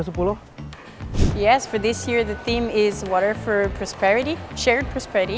saya pikir itu adalah hal yang harus kita lakukan di tempat depan karena tidak sering kita melihatnya